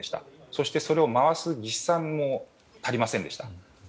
そしてそれを回す技師さんも足りませんでした。